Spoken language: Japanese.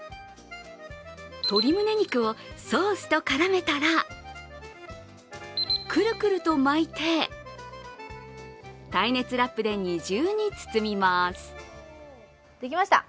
鶏むね肉をソースと絡めたらくるくると巻いて、耐熱ラップで二重に包みます。